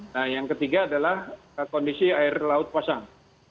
nah yang ketiga adalah kondisi air laut pasang